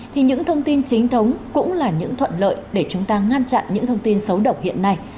thì những thông tin chính thống cũng là những thuận lợi để chúng ta ngăn chặn những thông tin xấu độc hiện nay